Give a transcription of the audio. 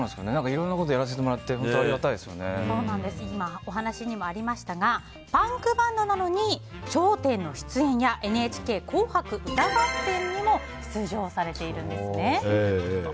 いろいろなことをやらせてもらって今、お話にもありましたがパンクバンドなのに「笑点」の出演や「ＮＨＫ紅白歌合戦」にも出場されているんですね。